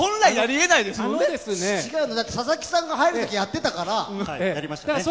佐々木さんが入る時にやってたから。